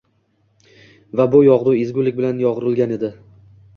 va bu yog‘du ezgulik bilan yo‘g‘rilgan edi.